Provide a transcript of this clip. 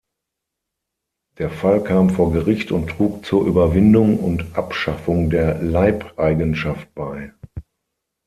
Der Fall kam vor Gericht und trug zur Überwindung und Abschaffung der Leibeigenschaft bei.